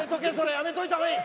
やめといた方がいい。